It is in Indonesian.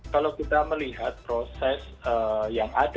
kalau kita melihat proses yang ada